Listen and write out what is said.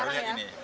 baru lihat ini